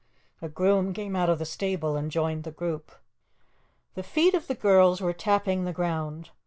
A groom came out of the stable and joined the group. The feet of the girls were tapping the ground.